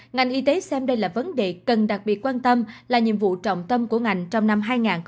ngành y tế xem đây là vấn đề cần đặc biệt quan tâm là nhiệm vụ trọng tâm của ngành trong năm hai nghìn hai mươi